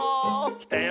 きたよ